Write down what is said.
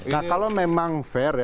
nah kalau memang fair